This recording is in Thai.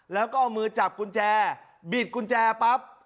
แล้วก็เอามือจับกุญแจบิดกุญแจปั๊บ